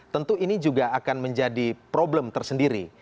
tentu ini juga akan menjadi problem tersendiri